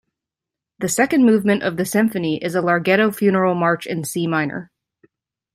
The second movement of the Symphony is a "Larghetto" funeral march in C minor.